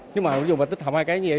nhưng mà ví dụ mà tích hợp hai cái như vậy